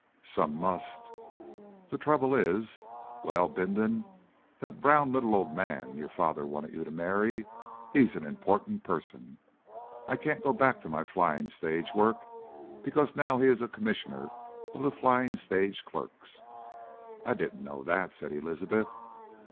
"Some must." "The trouble is ... Well Bindon, that brown little old man your father wanted you to marry. He's an important person.... I can't go back to my flying stage work, because he is now a Commissioner of the Flying Stage Clerks." "I didn't know that," said Elizabeth.